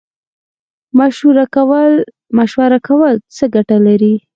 مشوره کول څه ګټه لري؟